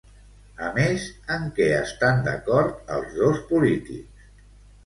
A més, en què estan d'acord els dos polítics?